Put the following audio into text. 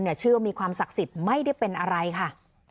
เชื่อว่ามีความศักดิ์สิทธิ์ไม่ได้เป็นอะไรค่ะ